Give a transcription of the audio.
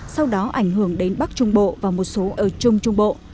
sau đó ảnh hưởng đến bắc trung bộ và một số ở trung trung bộ